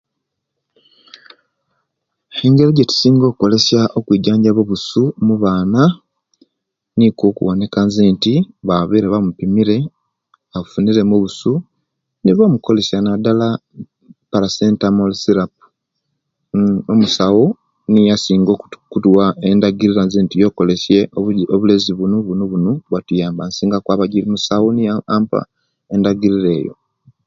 Engeri ejetusinga okolesya okwijanjabya obusu omubaana nikwo okuwoneka nzenti babire bamupimire bafunire mu obusu nibamukolesya nadala paracetamol sirap nn omusawo niye asinga okutuwa endagirira nti yokolesye obulezi bunu bunu butuyamba nsinga kwaba jimusawo ampa endagirira eyo